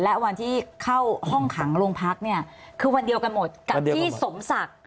และวันที่เข้าห้องขังโรงพักเนี่ยคือวันเดียวกันหมดกับที่สมศักดิ์